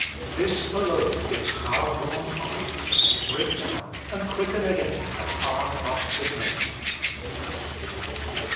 This alone gives power from on high which can break down and quicken again the hard hearts of men.